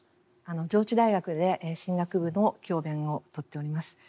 上智大学で神学部の教鞭をとっております。